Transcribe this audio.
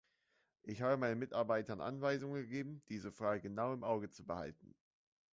Ich habe meinen Mitarbeitern Anweisungen gegeben, diese Frage genau im Auge zu behalten.